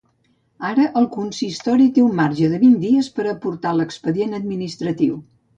Ara, el consistori té un marge de vint dies per aportar l’expedient administratiu.